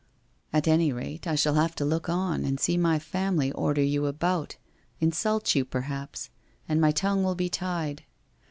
' At any rate I shall have to look on and see my family order you about, insult you, perhaps, and my tongue will be tied.